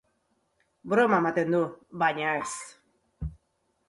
Broma ematen du, baina ez!